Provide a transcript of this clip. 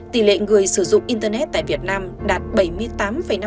tỷ lệ người sử dụng internet tại việt nam đạt bảy mươi tám năm mươi chín